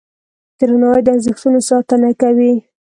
درناوی د ارزښتونو ساتنه کوي.